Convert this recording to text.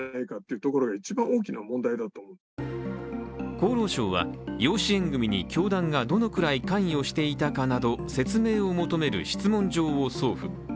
厚労省は、養子縁組に教団がどのくらい関与していたかなど説明を求める質問状を送付。